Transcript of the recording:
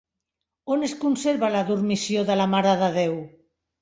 On es conserva la Dormició de la Mare de Déu?